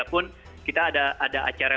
juga sudah menonton kita ada acara